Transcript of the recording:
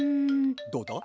どうだ？